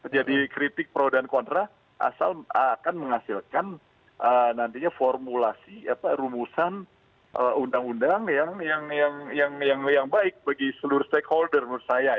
jadi kritik pro dan kontra akan menghasilkan nantinya formulasi rumusan undang undang yang baik bagi seluruh stakeholder menurut saya